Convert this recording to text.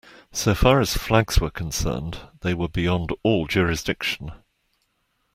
So far as flags were concerned, they were beyond all jurisdiction.